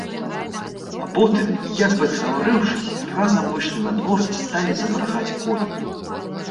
А потым, як бы згаварыўшыся, разам выйшлі на двор і сталі запрагаць коні.